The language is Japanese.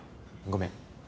ごめん。